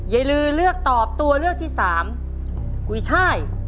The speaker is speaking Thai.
ยายลือเลือกตอบตัวเลือกที่สามกุยช่าย